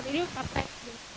nah ini saat ini partai